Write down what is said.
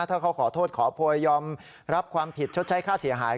ถ้าเขาขอโทษขอโพยยอมรับความผิดชดใช้ค่าเสียหาย